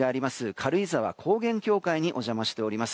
軽井沢高原教会にお邪魔しております。